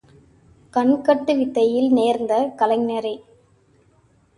கண்கட்டு வித்தையில் தேர்ந்த கலைஞரே!